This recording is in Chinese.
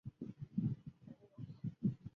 伊拉克的穆斯林属于什叶派和逊尼派。